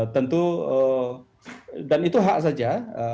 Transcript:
tentu dan itu hak saja